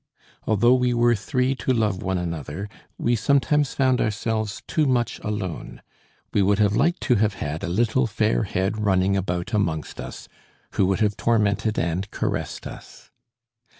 Although we were three to love one another we sometimes found ourselves too much alone; we would have liked to have had a little fair head running about amongst us, who would have tormented and caressed us.